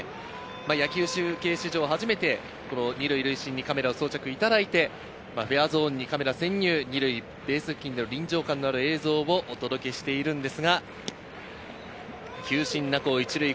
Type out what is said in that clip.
野球中継史上初めて２塁塁審にカメラを装着いただいて、フェアゾーンにカメラ潜入、２塁ベース付近での臨場感ある映像をお届けしています。